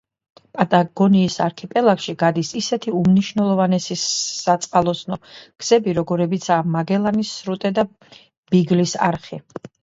პატაგონიის არქიპელაგში გადის ისეთი უმნიშვნელოვანესი საწყლოსნო გზები, როგორებიცაა მაგელანის სრუტე და ბიგლის არხი.